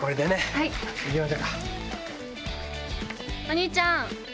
お兄ちゃん。